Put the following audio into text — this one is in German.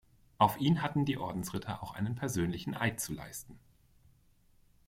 Auf ihn hatten die Ordensritter auch einen persönlichen Eid zu leisten.